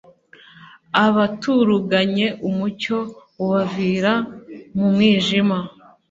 "Abaturuganye umucyo ubavira mu mwijima."